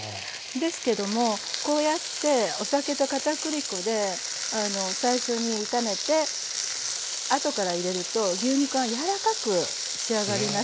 ですけどもこうやってお酒と片栗粉で最初に炒めて後から入れると牛肉が柔らかく仕上がりますので。